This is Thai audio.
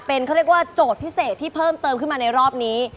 เป็นเขาเรียกว่าโจทย์พิเศษที่เพิ่มเติมขึ้นมาในรอบนี้